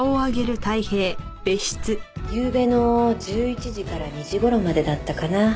ゆうべの１１時から２時頃までだったかな。